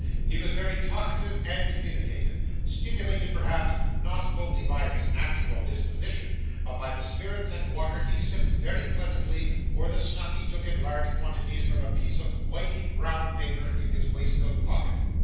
He was very talkative and communicative, stimulated perhaps, not only by his natural disposition, but by the spirits and water he sipped very plentifully, or the snuff he took in large quantities from a piece of whitey brown paper in his waistcoat pocket.